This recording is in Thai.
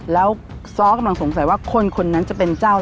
แล้วซ้อกำลังสงสัยว่าคนคนนั้นจะเป็นเจ้า